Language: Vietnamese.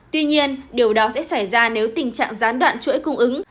tuy nhiên điều đó sẽ xảy ra nếu tình trạng gián đoạn chuỗi cung ứng